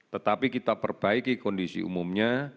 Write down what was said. tetapi kita perbaiki kondisi umumnya